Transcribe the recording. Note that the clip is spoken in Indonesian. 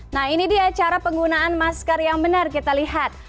nah ini dia cara penggunaan masker yang benar kita lihat